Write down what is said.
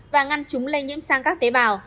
và ngăn chúng lây nhiễm sang các tế bào